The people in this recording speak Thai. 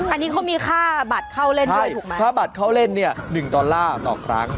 อันนี้เขามีค่าบัตรเข้าเล่นด้วยถูกไหมค่าบัตรเข้าเล่นเนี่ย๑ดอลลาร์ต่อครั้ง